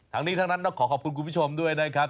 ทั้งนี้ทั้งนั้นต้องขอขอบคุณคุณผู้ชมด้วยนะครับ